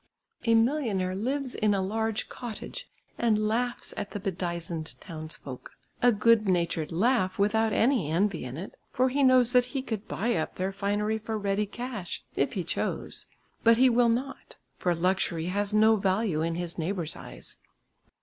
A millionaire lives in a large cottage and laughs at the bedizened townsfolk, a good natured laugh without any envy in it, for he knows that he could buy up their finery for ready cash, if he chose. But he will not, for luxury has no value in his neighbours' eyes.